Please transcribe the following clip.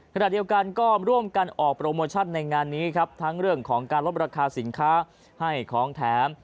ขณะเดียวกันก็ร่วมกันออกโปรโมชั่นในงานนี้ครับทั้งเรื่องของการลดราคาสินค้าให้ของแถม